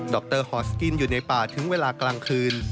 รฮอสกินอยู่ในป่าถึงเวลากลางคืน